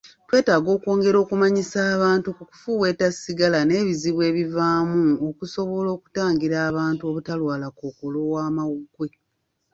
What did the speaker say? twetaaga okwongera okumanyisa abantu ku kufuweeta sigala n'ebizibu ebivaamu okusobola okutangira abantu obutalwala kkookolo w'amawugwe.